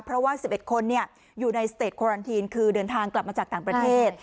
เพราะว่าสิบเอ็ดคนเนี่ยอยู่ในสเตจควอรันทีนคือเดินทางกลับมาจากต่างประเทศ